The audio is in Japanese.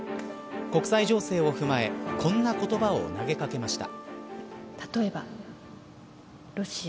国際情勢を踏まえこの言葉を投げかけました。